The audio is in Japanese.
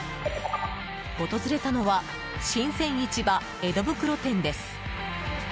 訪れたのは新鮮市場江戸袋店です。